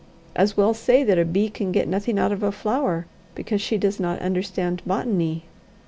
As well say that a bee can get nothing out of a flower, because she does not understand botany.